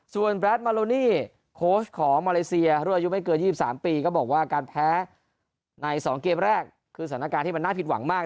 ส่วนแรดมาโลนี่โค้ชของมาเลเซียรุ่นอายุไม่เกิน๒๓ปีก็บอกว่าการแพ้ใน๒เกมแรกคือสถานการณ์ที่มันน่าผิดหวังมาก